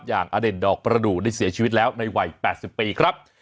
อเด่นดอกประดูกได้เสียชีวิตแล้วในวัย๘๐ปีครับ